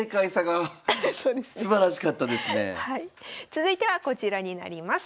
続いてはこちらになります。